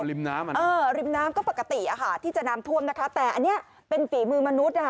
ลิมน้ำก็ปกติที่จะน้ำท่วมนะคะแต่อันนี้เป็นฝีมือมนุษย์